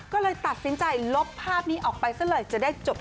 ก็เลยตัดสินใจลบภาพนี้ออกไปซะเลยจะได้จบ